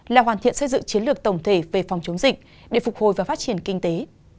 là hoàn thiện xây dựng chiến lược tổng thể về phòng chống dịch để phục hồi và phát triển kinh tế